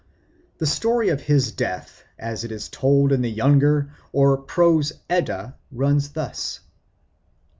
The story of his death, as it is told in the younger or prose Edda, runs thus.